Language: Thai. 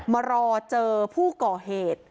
มารอเจอผู้ก่อเหตุ